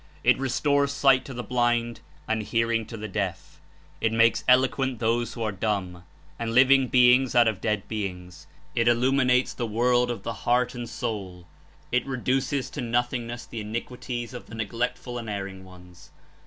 It restores sight to the blind and hear ing to the deaf; it makes eloquent those who are dumb, and living beings out of dead beings; it illuminates the world of the heart and soul; it reduces to nothing ness the iniquities of the neglectful and erring ones.